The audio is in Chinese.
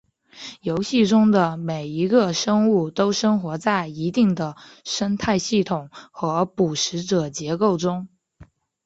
游戏中的每一个生物都生活在一定的生态系统和捕食者结构中。